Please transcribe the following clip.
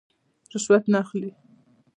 رشوت نه اخلي.